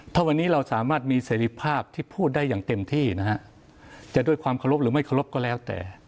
ถ้าวันนี้เราสามารถมีเสรีภาพที่พูดได้อย่างเต็มที่นะฮะจะด้วยความเคารพหรือไม่เคารพก็แล้วแต่